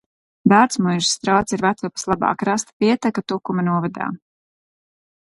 Dārtsmuižas strauts ir Vecupes labā krasta pieteka Tukuma novadā.